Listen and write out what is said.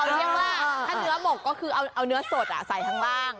เรียกว่าถ้าเนื้อหมกก็คือเอาเนื้อสดใส่ข้างล่าง